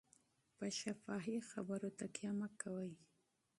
په شفاهي خبرو تکیه مه کوئ.